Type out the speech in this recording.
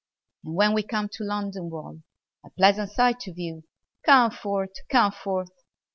And when we come to London Wall, A pleasant sight to view, Come forth! come forth!